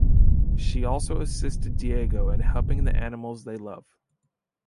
She also assists Diego in helping the animals they love.